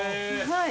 はい。